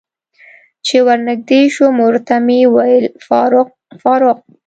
چې ور نږدې شوم ورته مې وویل: فاروق، فاروق.